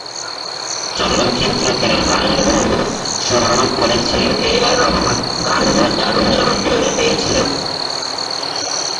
চলচ্চিত্রটির গানগুলোর সুরারোপ করেছিলেন এ আর রহমান, গানগুলো দারুণ জনপ্রিয়তা পেয়েছিলো।